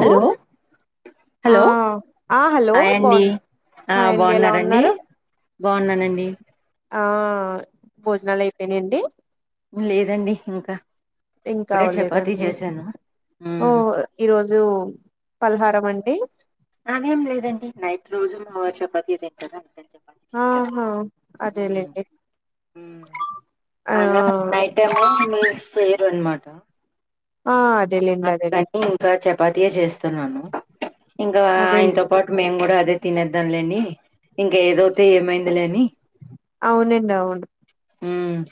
Hello ఆ hello ఆ hello hi అండి బాగు ఆ హాయ్ అండి ఎలా బాన్నారండి ఉన్నారు బావున్నానండి ఆ భోజనాలు అయిపోయినాండి లేదండి ఇంకా ఇంకా ఇప్పుడే చపాతీ అవ్వలేదండి చేశాను ఓ ఉమ్ ఈరోజు పలహారం అండి అదేం లేదండి నైట్ రోజు మా వారు చపాతి ఏ తింటారా అందుకు అని చెప్ ఆ హా అదేలేండి ఆ టేమో మీస్ చేయరు అన్నమాట ఆ అదేలేండి అదేలేండి ఇంకా చపాతియే చేస్తున్నాను ఇంకా ఆయనతో అదేలేండి పాట్ మేము కూడా అదే తినేద్దాంలేని ఇంకా ఏదోతి ఏమైంది లే అని అవునండి అవును మ్మ్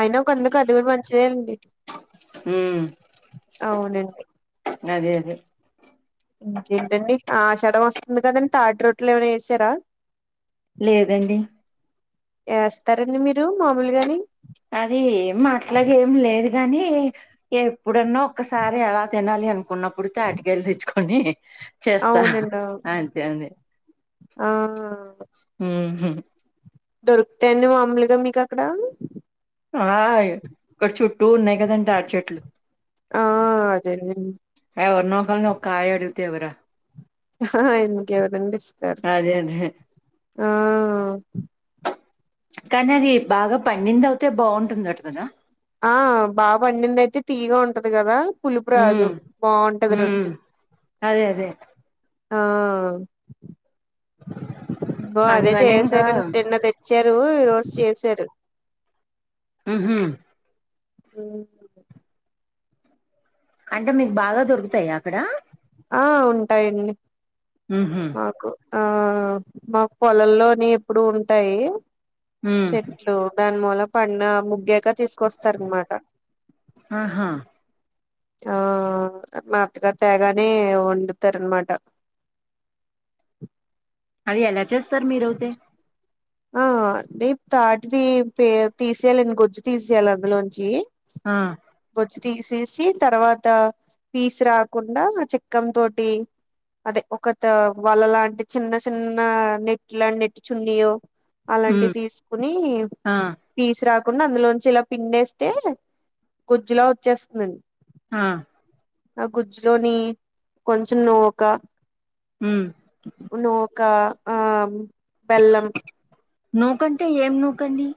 అయినా ఒక అందుకు అది కూడా మంచిదే అండి మ్మ్ అవునండి అదే అదే ఇకేంటండి ఆషాడం వస్తుంది కదండి తాటి రొట్లు ఏమైనా చేసారా లేదండి వేస్తారండి మీరు మామూలుగాని అది ఏం అట్లగ ఏమి లేదు కాని ఎప్పుడన్నా ఒక్కసారి అలా తినాలి అనుకున్నప్పుడు తాటికయలు తెచ్చుకొని చేస్తా అవునండి అవు అంతే అండి ఆ మ్మ్ హు దొరికుతాయండి మాములుగా మీకు అక్కడ హాయ్ ఇక్కడ చుట్టూ ఉన్నాయి కదండి తాడి చెట్లు ఆ అదేలేం ఎవరినొకరిని ఒక కాయ అడిగితే ఇవ్వరా ఎందుకు ఇవ్వరండి ఇస్ అదే అదే కానీ అది బాగా పండింది అవుతే బాగుంటుందట కదా ఆ బా పండింది అయితే తీయ్యగా ఉంటది కదా పులుపు ఉమ్ రాదు బాగుంటది ఉమ్ రొట్టే అదే అదే ఆ బ అదే అందుకని ఇంకా చేశారని తిన్న తెచ్చారు ఈ రోజు చేశారు మ్మ్ హు మ్ అంటే మీకు బాగా దొరుకుతాయా అక్కడ ఆ ఉంటాయండి మ్మ్ హు మాకు ఆ మాకు పొలల్లోని ఎప్పుడు ఉంటాయి ఉమ్ చెట్ [unintelligible] దాని మూల పన్న ముగ్గాక తీసు కొస్తారన్న మాట ఆహా ఆ మా అత్తగారు తేగానే వండుతారు అనమాట అది ఎలా చేస్తారు మీరు అవుతే ఆ [unintelligible] తాటిది పే తీసేయాలండి గొజ్జు తీసేయాలి అందులోంచి ఆ బొచ్చు తీసేసి తర్వాత పీస్ రాకుండా చిక్కం తోటి అదే ఒకతో వల లాంటి చిన్న చిన్న నెట్ ఇట్లా నెట్ చున్నీయో అలాంటివి హ్మ్. తీసుకుని ఆ! పీసు రాకుండా అందులోంచి ఇలా పిండేస్తే గుజ్జులా వచ్చేస్తుందండి ఆ ఆ గుజ్జ్ లోని కొంచెం నువ్వొక హ్మ్. నూకా ఆ బెల్లం నూకంటే ఏం నూకండి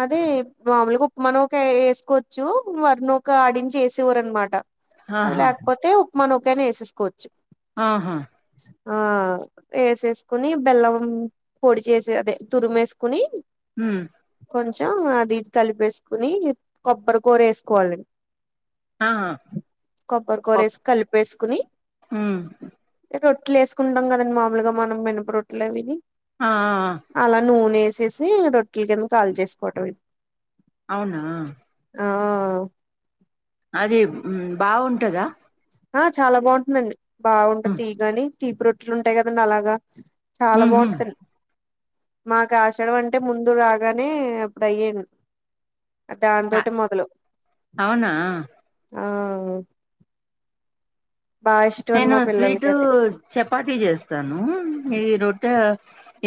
అదే మామూలుగా ఉప్మ నూక వేసుకోవచ్చు వరి నూక ఆడించి వేసేవారు అనమాట అది ఆహా! లేకపోతే ఉప్మానూకైనా వేసేసుకోవచ్చు ఆహా ఆ వేసేసుకుని బెల్లం పొడిచేసి అదే తురుము వేసుకుని హ్మ్ కొంచెం అది ఇది కలిపేసుకుని కొబ్బరి కూర వేసుకోవాలన్ ఆహా! కొబ్బరి పప్ కూరేసి కలిపేసుకుని హ్మ్. రొట్లు వేసుకుంటాం కదండి మాములుగా మనం మినుప రొట్లు అవిని ఆ ఆ హా అలా నూనె వేసేసి రొట్టెల కింద కాల్చేసుకోవటమే అవునా ఆహ్ అది మ్మ్ బాగుంటదా ఆ చాలా బాగుంటుందండి బాగుంటది హ్మ్. తీగాని తీపి రొట్టెలు ఉంటాయి కదండి అలాగా చాలా హుహు. బాగుంటుంది మాకు ఆషాఢమంటే ముందు రాగానే ఇప్పుడు అయ్యేన్ అ దాంతోటే మొదలు అవునా! ఆ బాగా ఇష్టం అండి నేను మా పిల్లలకి స్వీటు అది చపాతీ చేస్తాను ఈ రొట్టె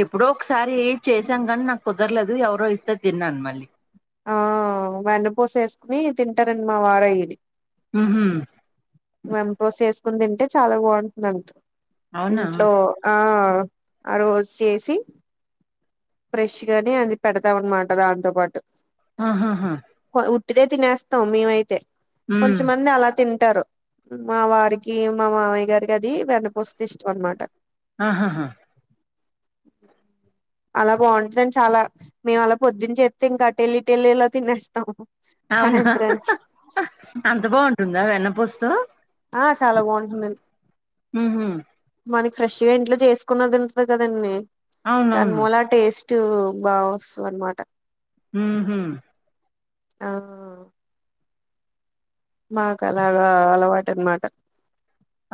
ఎప్పుడో ఒకసారి చేసాం కానీ నాకు కుదరలేదు ఎవరో ఇస్తే తిన్నాను మళ్ళీ ఆ వెన్నపూస వేసుకుని తింటారండి మా వార ఇది మ్మ్ హుం వెన్నపూస్ వేసుకుని తింటే చాలా బాగుంటుందంట అవునా! ఇంట్లో ఆ ఆ రోజు చేసి ఫ్రెష్ గాని అది పెడతాం అనమాట దాంతో పాటు ఆహాహా హాో ఉట్టిదే తినేస్తాం మేమైతే హ్మ్. కొంచంమంది అలా తింటారు మా వారికి మా మావయ్య గారికి అది వెన్నుపూసతో ఇష్టం అనమాట ఆహాహా అలా బాగుంటందండి చాలా మేము అలా పొద్దున్ చేత్తే ఇంకా అటెళ్ల్ ఇటెళ్ల్ ఇలా తినేస్తాం అవునా సాయంత్రానికి అంత బాగుంటుందా వెన్నపూస్తో ఆ చాలా బాగుంటుందం హుహు. మనకి ఫ్రెష్గా ఇంట్లో చేసుకున్నది ఉంటది కదండి దాని అవునవును మూల టేస్ట్ బావస్తది అనమాట ఉహు ఆ మాకు అలాగా అలవాటు అనమాట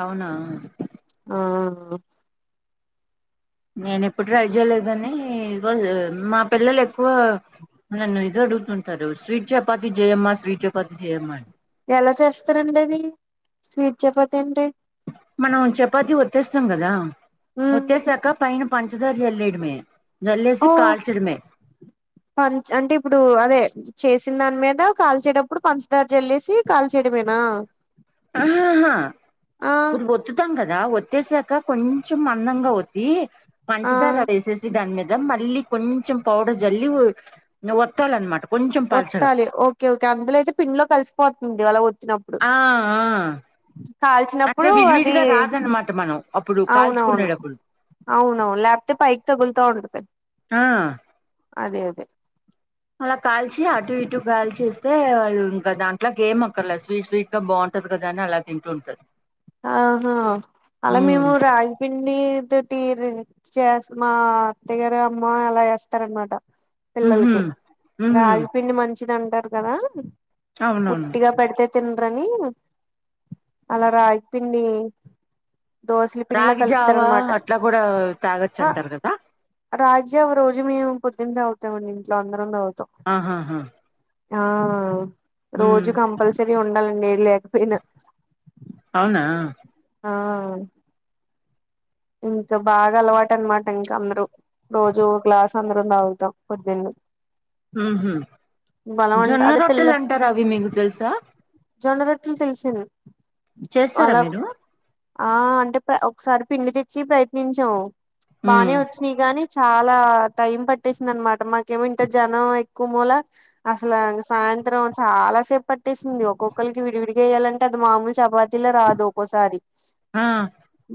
అవునా ఆ నేను ఎప్పుడు ట్రై చేయలేదు కాని ఈ రోజు మా పిల్లలు ఎక్కువ నన్ను ఇది అడుగుతు ఉంటారు స్వీట్ చపాతి జయమ్మ స్వీట్ చపాతి జయమ్మా అని ఎలా చేస్తారండి అది స్వీట్ చపాతి అంటే మనం చపాతి వతేస్తాం కదా ఉమ్. త్తేసాక పైన పంచదార జేల్లేయడమే చల్లేసి ఓ కాల్చడమే పంచ్ అంటే ఇప్పుడు అదే చేసిన దాని మీద కాల్చేటప్పుడు పంచదారి జల్లేసి కాల్ చేయడమేనా ఆహాహాహా గురుబోద్ త్తుతాం కదా ఒత్తేసాక కొంచం అందంగా ఒత్తి ఆ పంచదార వేసేసి చి దాని మీద మళ్ళీ కొంచెం పౌడర్ జల్లి వత్తాలన్నమాట వత్తాలి ఓకే ఓకే అందులోయితే పిండ్ లో కలిసిపోతుంది అలా వతినప్పుడు ఆ ఆ అంటే కాల్చినప్పుడు అది విడివిడిగా రాదన్నమాట మనం అప్పుడు అవునవును కాల్చుకునేటప్పుడు అవునవును లేపోతే పైకి తగులుతా ఉంటది ఆ అదే అదే అలా కాల్చి అటు ఇటు కాల్చి ఇస్తే వాళ్ళు ఇంకా దాంట్లోకి ఏం అక్కర్ లెద్ స్వీట్ స్వీట్ ఇంకా బాగుంటది కదా అని అలా తింటుంటారు ఆహా అలా మేము ఉమ్. రాగిపిండితోటి రీ చేస్ మా అత్తగారు అమ్మ అలా చేస్తార అనమాట ఉహు. పిల్లలకి ఉహు. రాగి పిండి మంచిది అంటారు కదా అవునవును ఉట్టిగా పెడితే తిన్రని అలా రాగి పిండి దోసల పిండ్లా రాగి జావా కలుపుతారనమాట అట్లా కూడా తాగొచ్చు ఆ అంటారు కదా రాజ్యాం రోజు మేము పొద్దున్న తాగుతామండి ఇంట్లో అందరం తావుతాం ఆహాహా ఆ ఉమ్. రోజు కంపల్సరీ ఉండాలండి లేకపోయినా అవునా ఆ ఇంకా బాగా అలవాటు అనమాట ఇంకా అందరూ రోజు ఒ గ్లాస్ అందరం తాగుతాం పొద్దున్న ఊహు బలం అంట జొన్న రోటల్ అంటారు అవి మీకు తెలుసా జొన్నరొట్లు తెలిసంది చేస్తారా అలాగే మీరు ఆ అంటే ఒకసారి పిండి తెచ్చి ప్రయత్నించాము బానే ఉమ్. వచ్చినయి గాని చాలా టైం పట్టేసింది అనమాట మాకేమొ జనం ఎక్కువ మూల అసలు సాయంత్రం చాలా సేపు పట్టేసింది ఒక్కొక్కరికి విడివిడిగా వెయాలంటే అది మామూలు చపాద్ లా రాదు ఒక్కసారి ఆ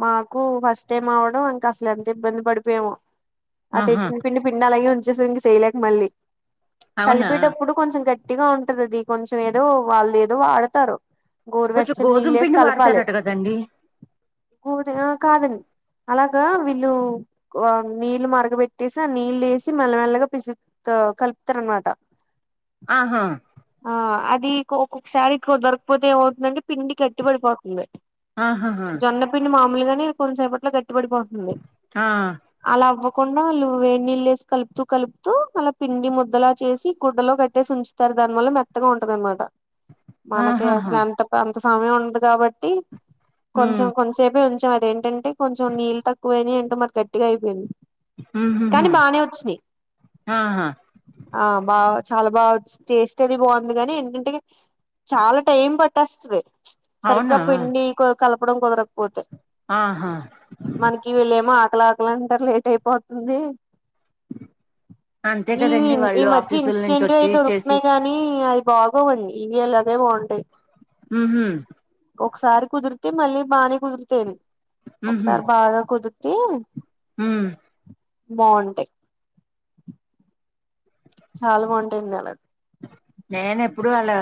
మాకు ఫస్ట్ టైం అవడం ఇంక అసలు ఎంత ఇబ్బంది పడిపోయామో అ ఆహా. తెచ్చిన పిండి పిండా అలాగే ఉంచేసం కి చేయలేక మళ్ళీ అవునా కలిపేటప్పుడు కొంచెం గట్టిగా ఉంటది అది కొంచెం ఏదో వాళ్ళు ఏదో వాడతారు కొంచెం గోరువెచ్చని గోధుమ నీళ్ళ ఏసి పిండి కలపాలి వాడతారట కదండి ఒ దేవ కాదండి అలాగా వీళ్ళు నీళ్ళు మరగబెట్టేసి ఆ నిల్లేసి మెల్లమెల్లగా పిసుక్త కలుపుతారు అన్నమాట. ఆహా. ఆ అది కో ఒక్కొక్కసారి కుదరకపోతే ఏమవుతుందంటే పిండి గట్టి పడిపోతుంది. ఆహాహా జొన్నపిండి మామూలుగానే కొంతసేపట్లో గట్టిపడిపోతుంది. ఆ అలా అవ్వకుండా వాళ్ళు వేడిళ్ళేసి కలుపుతూ కలుపుతూ అలా పిండి ముద్దలా చేసి గుడ్డలో కట్టేసి ఉంచు. తరు దానివల్ల మెత్తగా ఉంటదనమాట. మనకి ఆహాహా అసలు అంత అంత సమయం ఉండదు కాబట్టి. కొంచెం ఉమ్ కొంతసేపే ఉంచం అదేంటంటే కొంచెం నీళ్ళు తక్కువ అయినయో ఏంటో మరి గట్టిగా అయిపోయింది. ఉహుహు కానీ బానే ఒచ్చినయి. ఆహా ఆ బా చాలా బాగా ఒచ్ టేస్ట్ అది బాగుంది గాని ఏంటంటె. చాలా టైం పట్టేస్తది సరిగ్గా అవునా పిండి కో కలపడం కుదరకపోతే. ఆహా. మనకి వెళ్ళేమో ఆకలా ఆకలంటారు లేట్ అయిపోతుంది. అంతే ఈ కదండి ఈ వాళ్ళు మధ్య ఆఫీసుల నుంచి ఇన్స్టెంట్ వచ్చి అవి చేసి దొరుకుతున్నాయి కానీ. కానీ అది బాగోవండి ఇవి అలాగే బాగుంటాయి. ఉహు. ఒకసారి కుదిరితే మళ్ళీ బానే కుదిరుతాయ్ ఉహు ఒకసారి బాగా కుదిరితే. ఉమ్. బావుంటై చాలా బాగుంటాయండి అలా. నేనెప్పుడు అలా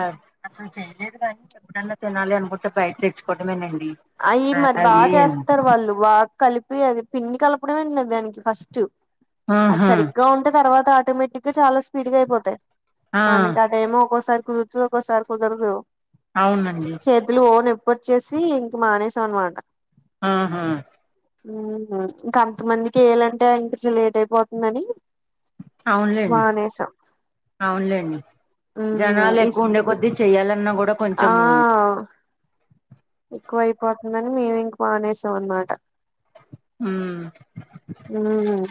అసలు చేయలేదు కద. ఎప్పుడైన్నా తినాలి అనుకుంటే బయట తెచ్చుకోవడమేనండి. అయ్యి మరి బాగా చేస్తారు వాళ్ళు బాగా కలిపి అది పిండి కలపడమే మరి దానికి ఫస్ట్. అది ఆహా సరిగ్గా ఉంటే తర్వాత ఆటోమేటిక్ గా చాలా స్పీడ్ గా అయిపోతాయి. ఆ మనకి అదేమో ఒక్కోసారి కుదురుతది ఒక్కోసారి కుదరదు. అవునండి. చేతులు ఓ నొప్పిచ్చేసి ఇంక మానేసాం అన్నమాట. ఆహా. ఉమ్ ఇంకాంత మందికి ఇయ్యాలంటే ఇప్పిచ్చుడు లేట్ అయిపోతుందని. అవునులేండి మానేసం. అవునులేండి ఉమ్ జనాలు ఇస్ ఎక్కువ ఉండే కొద్ద్దీ చెయాలన్నా కూడా కొంచెము. అ. ఎక్కువ అయిపోతుందని మేము ఇంక మానేసాం అనమాట. ఉ. ఉ.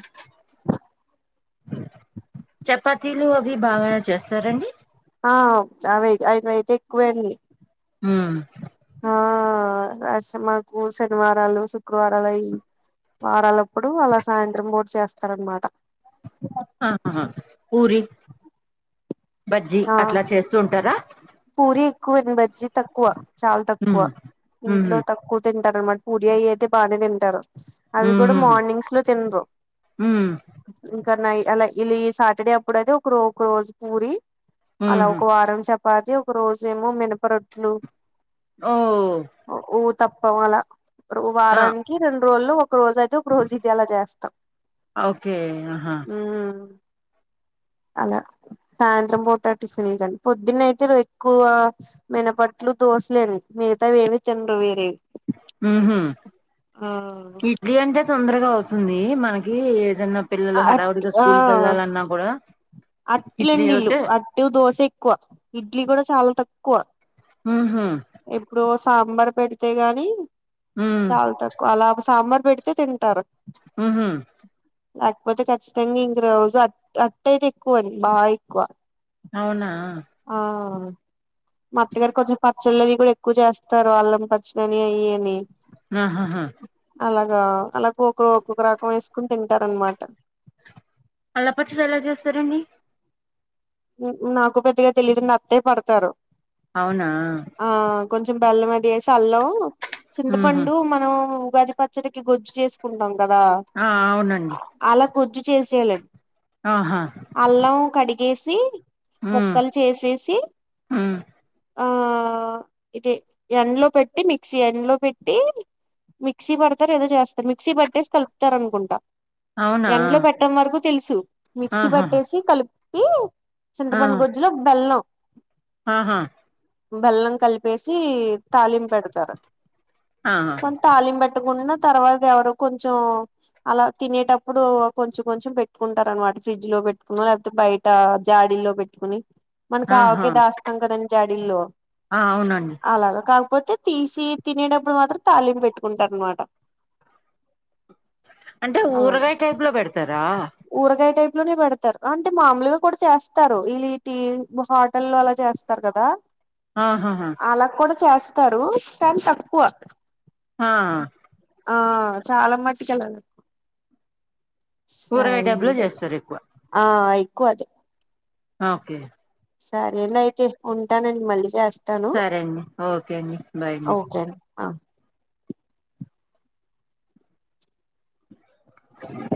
చపాతీలు అవి బాగానే చేస్తారండి. ఆ చావే అవయితే ఎక్కువే అండి. ఉ. ఆ అస్స మాకు శనివారాలు శుక్రవారాలు అయ్యి. వారాలప్పుడు అలా సాయంత్రం పూట చేస్తారనమట. ఆహ పూరి బజ్జి ఆ అట్లా చేస్తూ ఉంటారా. పూరి ఎక్కువే బజ్జీ తక్కువ చాలా తక్కువ హ్మ్ హ్మ్ ఇంట్లో తక్కువ తింటారనమాట. పూరి అయి అయితే బానే తింటారు అవి కూడా మార్నింగ్స్ లో తినరు. ఉ. ఇంకా నై అలా ఇలు ఈ శాటర్డే అప్పుడు అయితే ఒక ఒక రోజు పూరి. అలా ఒక హ్మ్ వారం చపాతి ఒక రోజేమో మినప రొట్లు ఓ ఒ ఊతప్పం అలా రో ఆ వారానికి రెండు రోజులు ఒక రోజు అది ఒక రోజు ఇది అలా చేస్తాం ఓకే ఆహా ఉం అలా సాయంత్రం పూట టిఫిన్ లండి పొద్దున్న అయితే ఎక్కువ మినపట్లు దోశలేండి మిగతావివేమి తినరూ వేరే హు హామ్ ఆ టి ఇడ్లీ అంటే తొందరగా అవుతుంది మనకి ఏదన్నా పిల్లలు అట్ హడావుడిగా ఆ స్కూల్ కెళ్లాలన్నా కూడా ఇడ్లీ అట్లండి ఇల్లు అయితే అట్టు దోశ ఎక్కువ ఇడ్లీ కూడా చాలా తక్కువ హు హామ్ ఎప్పుడో సాంబార్ పెడితే గాని హ్మ్ చాలా తక్ [unintelligible] అలా సాంబార్ పెడితే తింటారు హు హామ్ లేకపోతే ఖచ్చితంగా ఇంకా రోజు అట్ అట్టు అయితే ఎక్కువ అండి బాగా ఎక్కువ అవునా ఆ మా అత్తగారు కొంచెం ప పచ్చాలది కూడా ఎక్కువ చేస్తారు అల్లం పచ్చడని అయ్యాని ఊహుహు అలాగా అలా ఒక్క ఒక్కొక్క రకం వేసుకుని తింటారనమాట అల్లపచ్చడి ఎలా చేస్తారండి నాకు పెద్దగా తెలియదుండి అత్తయ పడతారు అవునా ఆ కొంచెం బెల్లం అది వేసి అల్లం ఉహూ చింతపండు మనం ఉగాది ప చ్చడికి గుజ్జు చేసుకుంటాం కదా ఆ అవునండి అలా గుజ్జు చేసేయాలండి ఆహా అల్లం కడిగేసి హ్మ్ ముక్కలు చేసేసి హ్మ్ ఆ ఇది ఎండలో పెట్టి మిక్సీ ఎండలో పెట్టి మిక్సీ పడతారో ఏదో చేస్తారు మిక్సీ పట్టేసి కలుపుతారు అనుకుంటా అవునా ఎండ్లో పెట్టం వరకు తెలుసు మిక్సీ ఆహా పట్టేసి కలిపి ఆ చింతపండు గుజ్జులో బెల్లం ఆహా బేల్లం కలిపేసి తాలింపెడతారు ఆహా తలింపు పెట్టుకున్న తర్వాత ఏడో కొంచం అలా తినేటప్పుడు కొంచెం కొంచెం పెట్టుకుంటారు అనమాట ఫ్రిడ్జ్ లో పెట్టుకున్నా లేకపోతే బయట జాడీల్లో పెట్టుకుని మనకు ఆహా! ఆవకాయ దాస్తాం కదండి జాడీల్లో ఆ అవునండి అలాగా కాకపోతే తీసి తినేటప్పుడు మాత్రం తాలింపు పెట్టుకుంటారు అనమాట అంటే అలాగే ఊరగాయ టైప్ లో పెడతారా ఊరగాయ టైప్ లోనే పెడతారు అంటే మామూలుగా కూడా చేస్తారు ఇలేటి హోటల్ అలా చేస్తారు కదా ఆహాహా అలా కూడా చేస్తారు కానీ తక్కువ ఆ ఆ చాలా మట్టుకెళ్ళాలి ఊరగాయ సరే టైప్‌లో అండి చేస్తారెక్కువ. ఆ ఎక్కువది ఓకే సరేండి అయితే ఉంటానండి మళ్ళీ చేస్తా సరే అండి ఓకే అండి బాయ్ అన్ ఓకే అండి ఆ [inaudible]